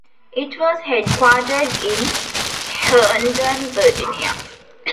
It was headquartered in Herndon, Virginia.